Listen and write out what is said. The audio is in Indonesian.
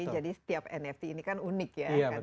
jadi setiap nft ini kan unik ya